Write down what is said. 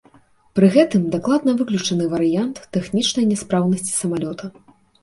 Пры гэтым дакладна выключаны варыянт тэхнічнай няспраўнасці самалёта.